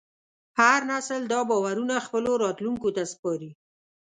هر نسل دا باورونه خپلو راتلونکو ته سپاري.